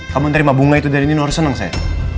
kamu terima bunga itu dari din harus seneng saya